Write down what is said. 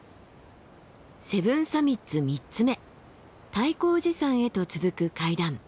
セブンサミッツ３つ目泰光寺山へと続く階段。